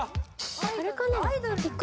あれかな？